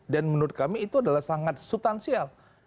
dan menurut kami itu adalah sangat substansial